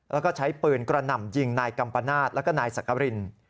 แล้วก็ใช้ปืนกระหน่ำยิงนายกัมปนาศแล้วก็นายสักกริน